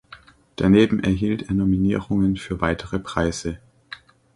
Daneben erhielt er Nominierungen für weitere Preise.